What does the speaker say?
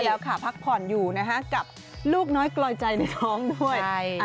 แล้วค่ะพักผ่อนอยู่นะฮะกับลูกน้อยกลอยใจในท้องด้วย